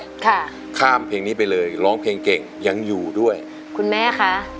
ค่ะข้ามเพลงนี้ไปเลยร้องเพลงเก่งยังอยู่ด้วยคุณแม่คะ